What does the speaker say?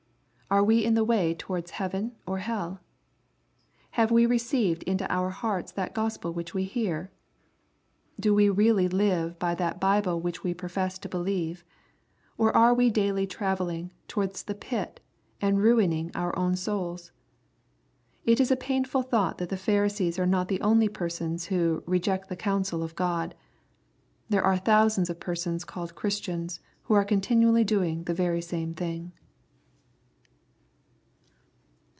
Are we in the way towards heaven or hell ? Have we received into our hearts that Gospel which we hear ? Do we really live by that Bible which we profess to believe ? Or are we daily travelling towards the pit, and ruining our own souls ? It is a painful thought that the Pharisees are not the only persons who " reject the counsel of God/' There are thousands of persons called Christians who are continually doing the very same thing.